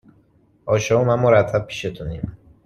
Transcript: آشا و من، مرتب پیشتونیم